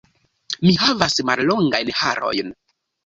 Mi havas mallongajn harojn.